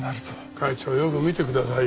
会長よく見てくださいよ。